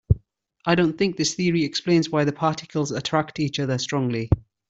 I don't think this theory explains why the particles attract each other this strongly.